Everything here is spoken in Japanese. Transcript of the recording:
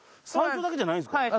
山頂だけじゃないんですか？